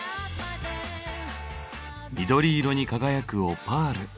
緑色に輝くオパール。